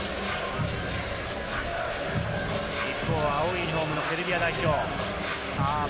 一方、青いユニホーム、セルビア代表。